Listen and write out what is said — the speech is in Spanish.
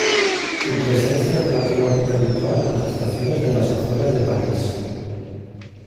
Su presencia es relativamente habitual en las estaciones de las afueras de París.